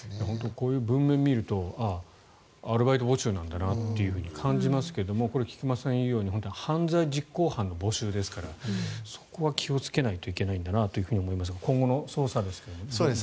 こういう文面を見るとアルバイト募集なんだなと感じますけどもこれ、菊間さんが言うように犯罪実行犯の募集ですからそこは気をつけないといけないんだなと思いますが今後の捜査ですが。